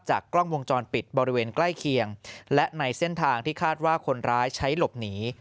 กล้องวงจรปิดบริเวณใกล้เคียงและในเส้นทางที่คาดว่าคนร้ายใช้หลบหนี